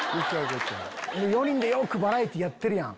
４人でよくバラエティーやってるやん。